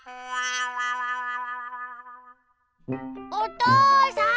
おとうさん！